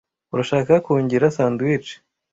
Urashaka kungira sandwich?